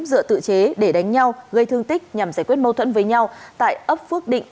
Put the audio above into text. dựa tự chế để đánh nhau gây thương tích nhằm giải quyết mâu thuẫn với nhau tại ấp phước định